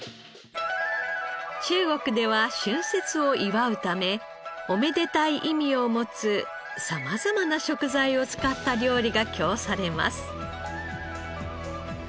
中国では春節を祝うためおめでたい意味を持つ様々な食材を使った料理が供されます。